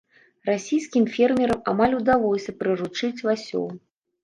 Расійскім фермерам амаль удалося прыручыць ласёў.